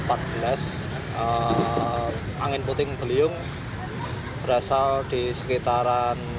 angin puting beliung berasal di sekitaran